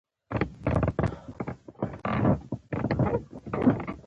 د کورونو په غولي کې بوس کارول کېدل